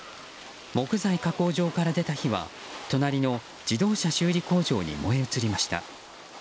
木材加工場から火は隣の自動車修理工場に燃え移りました。